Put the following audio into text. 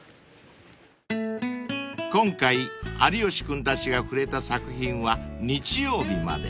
［今回有吉君たちが触れた作品は日曜日まで］